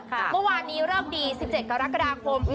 เมื่อวานนี้เลิกดี๑๗กรกฎาคม